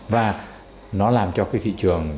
và nó làm cho cái thị trường